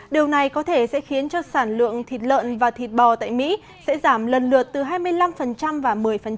điều này có thể sẽ khiến cho sản lượng thịt lợn và thịt bò tại mỹ sẽ giảm lần lượt từ hai mươi năm và một mươi